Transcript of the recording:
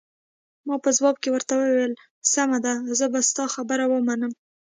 ما په ځواب کې ورته وویل: سمه ده، زه به ستا خبره ومنم.